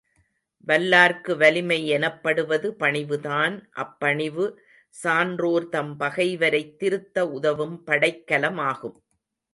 வல்லார்க்கு வலிமை எனப்படுவது பணிவுதான் அப்பணிவு, சான்றோர் தம் பகைவரைத் திருத்த உதவும் படைக்கல மாகும்.